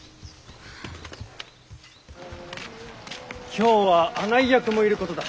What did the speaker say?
今日は案内役もいることだ。